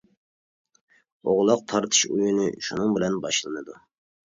ئوغلاق تارتىش ئويۇنى شۇنىڭ بىلەن باشلىنىدۇ.